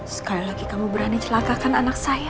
sekali lagi kamu berani celaka kan anak saya